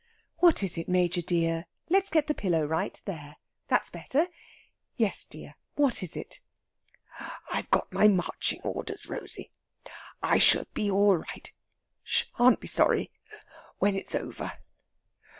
"What is it, Major dear?... Let's get the pillow right.... There, that's better! Yes, dear; what is it?" "I've got my marching orders, Rosey. I shall be all right. Shan't be sorry ... when it's over....